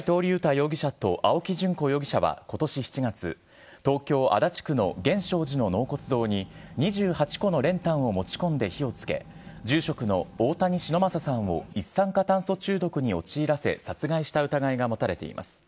容疑者と青木淳子容疑者はことし７月、東京・足立区の源証寺の納骨堂に２８個の練炭を持ち込んで火をつけ、住職の大谷忍昌さんを一酸化炭素中毒に陥らせ、殺害した疑いが持たれています。